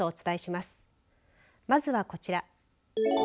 まずはこちら。